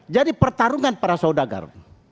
jadi pertarungan para saudagar